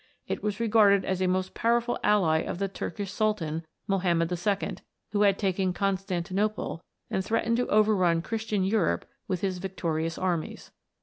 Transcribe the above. It was regarded as a most powerful ally of the Turkish Sultan, Mohammed II., who had taken Constantinople, and threatened to overrun Christian Europe with his victorious armies.